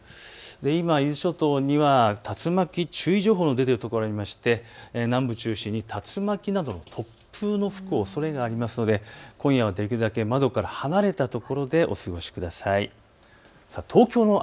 今、伊豆諸島には竜巻注意情報の出ているところもありまして南部中心に竜巻などの突風の吹くおそれがありますので今夜はできるだけ窓から離れたところでお過ごしください。